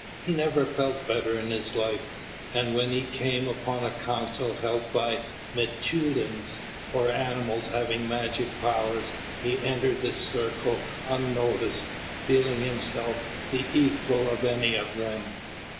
He never felt better in his life; and when he came upon a council held by m'téūlins, or animals having magic powers, he entered the circle unnoticed, feeling himself the equal of any of them.